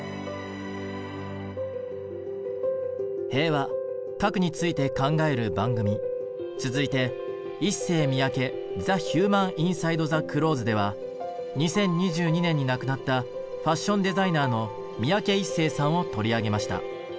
平和核について考える番組続いて「ＩＳＳＥＹＭＩＹＡＫＥＴｈｅＨｕｍａｎＩｎｓｉｄｅｔｈｅＣｌｏｔｈｅｓ」では２０２２年に亡くなったファッションデザイナーの三宅一生さんを取り上げました。